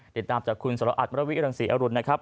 ติดตามจากคุณสละอัดมรวมวิทยาลังศรีอรุณนะครับ